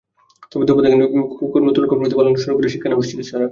তবে দুপুর থেকে নতুন করে কর্মবিরতি পালন শুরু করেন শিক্ষানবিশ চিকিৎসকেরা।